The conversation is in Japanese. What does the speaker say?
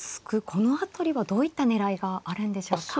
この辺りはどういった狙いがあるんでしょうか。